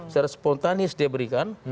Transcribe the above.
secara spontanis dia berikan